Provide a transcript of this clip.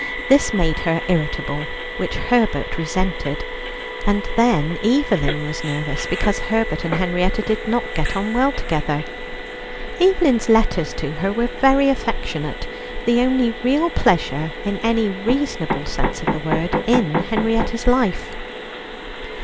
This made her irritable, which Herbert resented, and then Evelyn was nervous because Herbert and Henrietta did not get on well together. Evelyn's letters to her were very affectionate, the only real pleasure, in any reasonable sense of the word, in Henrietta's life.